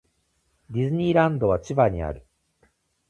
ディズニーランドは千葉にある